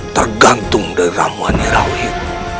tergantung dari ramuan nyi rawit